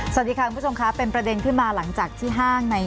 สวัสดีค่ะคุณผู้ชมค่ะเป็นประเด็นขึ้นมาหลังจากที่ห้างใน